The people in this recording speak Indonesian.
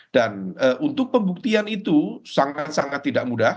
dan untuk pembuktian itu sangat sangat tidak mudah